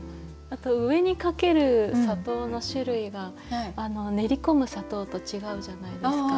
あと上にかける砂糖の種類が練り込む砂糖と違うじゃないですか。